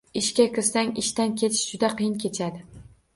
Ishga kirsang, ishdan ketish juda qiyin kechadi